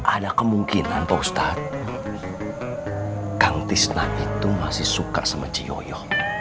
ada kemungkinan postat gantis naik tuh masih suka sama ciyoyo